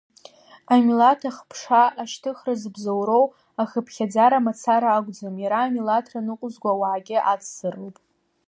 Амилаҭ ахԥша ашьҭыхра зыбзоуроу ахыԥхьаӡара мацара акәӡам, иара амилаҭра ныҟәызго ауаагьы ацзароуп.